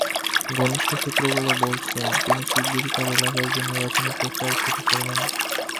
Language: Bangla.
ঘনিষ্ঠ সূত্রগুলো বলছে, তিনি শিগগিরই তাঁর এলাকায় গিয়ে নির্বাচনী প্রচার শুরু করবেন।